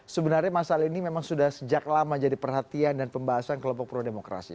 sebenarnya masalah ini memang sudah sejak lama jadi perhatian dan pembahasan kelompok pro demokrasi